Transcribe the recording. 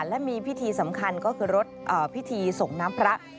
และมีพิธีสำคัญก็คือรถพิธีส่งน้ำพระ